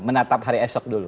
menatap hari esok dulu